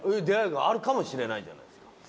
出会いがあるかもしれないじゃないですか。